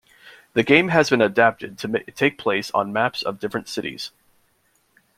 The game has been adapted to take place on maps of different cities.